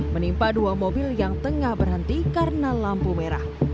menimpa dua mobil yang tengah berhenti karena lampu merah